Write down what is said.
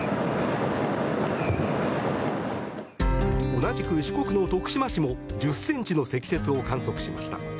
同じく四国の徳島市も１０ｃｍの積雪を観測しました。